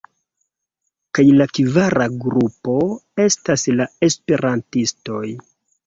Kaj la kvara grupo estas la esperantistoj.